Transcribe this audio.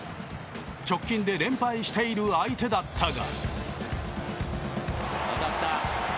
直近で連敗している相手だったが。